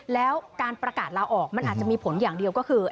แล้วการประกาศลาออกมันอาจจะมีผลอย่างเดียวก็คือ